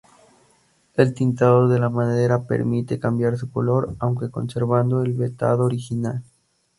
El tintado de la madera permite cambiar su color, aunque conservando el veteado original.